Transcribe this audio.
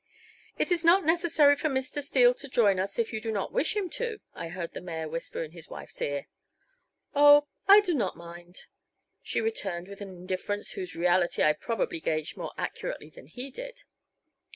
"It is not necessary for Mr. Steele to join us if you do not wish him to," I heard the mayor whisper in his wife's ear. "Oh, I do not mind," she returned with an indifference whose reality I probably gauged more accurately than he did.